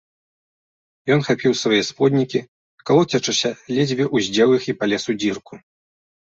Ён хапіў свае споднікі, калоцячыся, ледзьве ўздзеў іх і палез у дзірку.